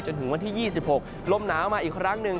จนถึงวันที่๒๖ลมหนาวมาอีกครั้งหนึ่ง